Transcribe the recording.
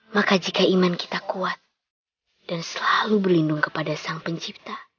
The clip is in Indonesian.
maka jika iman kita kuat dan selalu berlindung kepada sang pencipta